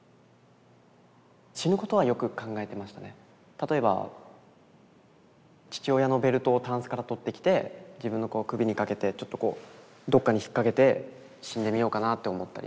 例えば父親のベルトをタンスから取ってきて自分の首にかけてちょっとこうどっかに引っ掛けて死んでみようかなって思ったり。